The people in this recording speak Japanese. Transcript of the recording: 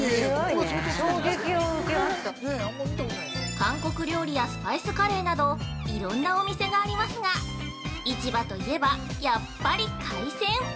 ◆韓国料理やスパイスカレーなどいろんなお店がありますが市場といえば、やっぱり海鮮！